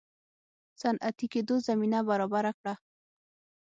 صنعتي کېدو زمینه برابره کړه.